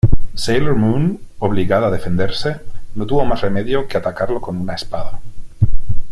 Sailor Moon, obligada a defenderse, no tuvo más remedio que atacarlo con una espada.